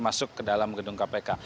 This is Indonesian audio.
masuk ke dalam gedung kpk